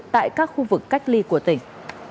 tại các khu vực cách ly của tỉnh